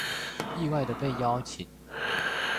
意外的被邀請